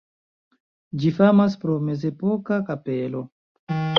Ĝi famas pro mezepoka kapelo.